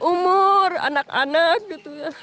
umur anak anak gitu ya